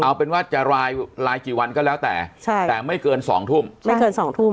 เอาเป็นว่าจะรายลายกี่วันก็แล้วแต่ใช่แต่ไม่เกินสองทุ่มไม่เกินสองทุ่ม